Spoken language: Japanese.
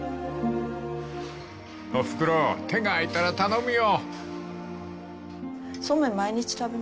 ［おふくろ手が空いたら頼むよ］